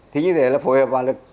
thì như thế là phối hợp với hỏa lực